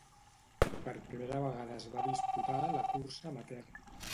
Per primera vegada es va disputar la cursa amateur.